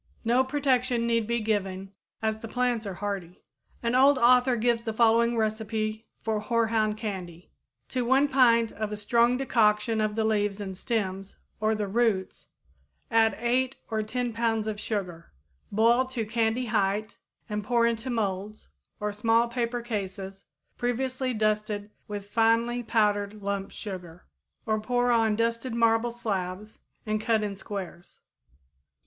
No protection need be given, as the plants are hardy. An old author gives the following recipe for hoarhound candy: To one pint of a strong decoction of the leaves and stems or the roots add 8 or 10 pounds of sugar. Boil to candy height and pour into molds or small paper cases previously well dusted with finely powdered lump sugar, or pour on dusted marble slabs and cut in squares.